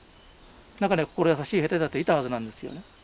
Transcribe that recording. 中には心優しい兵隊だっていたはずなんですよね。